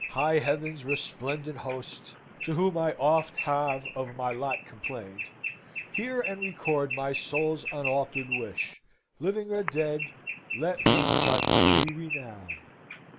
high heaven's resplendent host! To whom I oft have of my lot complained, Hear and record my soul's unaltered wish Living or dead, let me but be renowned!